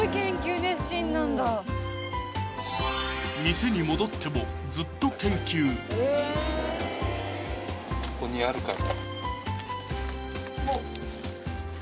店に戻ってもずっと研究ここにあるかな？